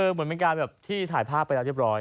เหมือนเป็นการแบบที่ถ่ายภาพไปแล้วเรียบร้อย